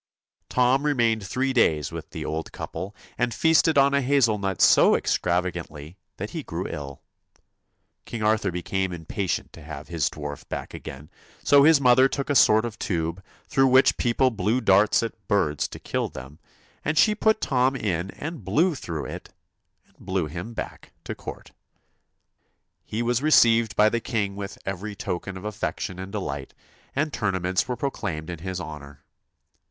Tom remained three days with the old couple, and feasted on a hazel nut so extravagantly that he grew ill. King Arthur became impatient to have his dwarf back again, so his mother took a sort of tube, through which people blew darts at birds to kill them, and she put Tom in and blew through it, and blew him back to court. 203 TOM He was received by the king with every token of THUMB affection and delight, and tournaments were pro claimed in his honour.